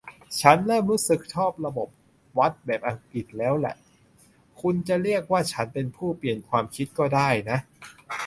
ฉันเริ่มรู้สึกชอบระบบวัดแบบอังกฤษแล้วแหละ คุณจะเรียกว่าฉันเป็นผู้เปลี่ยนความคิดก็ได้นะ